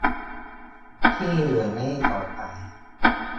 ที่เหลือไม่ได้ต่อสาย